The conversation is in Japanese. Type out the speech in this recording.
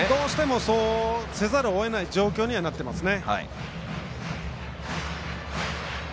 そうせざるをえない状況になっていますね。